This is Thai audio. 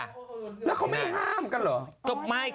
แล้วเขาไม่ห้ามกันเหรอ